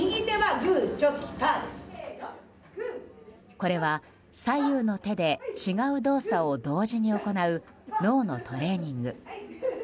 これは、左右の手で違う動作を同時に行う脳のトレーニング。